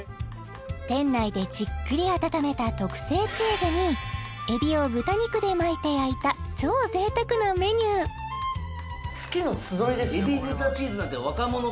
店内でじっくり温めた特製チーズに海老を豚肉で巻いて焼いた超贅沢なメニュー好きの集いですよ